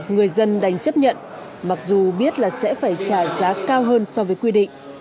người dân đành chấp nhận mặc dù biết là sẽ phải trả giá cao hơn so với quy định